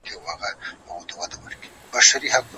هغې وويل موږ ته ميراث رانکړل سو.